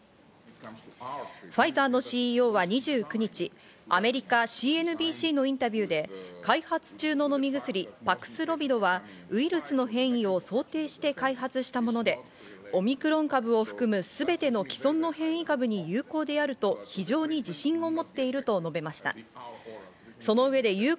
ファイザーのＣＯＯは２９日、アメリカ・ＣＮＢＣのインタビューで開発中の飲み薬、パクスロビドはウイルスの変異を想定して開発したもので、オミクロン株を含む、すべての既存の変異株に有効であると非常に自信を持っていると述べました。